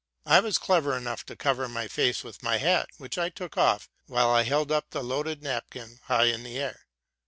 '' I was clever enough to cover iy face with my hat, which I took off, while I held up the Joaded napkin high in the air.